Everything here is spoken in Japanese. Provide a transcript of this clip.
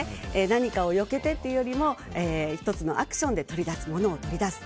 何かをよけてというよりも１つのアクションでものを取り出す。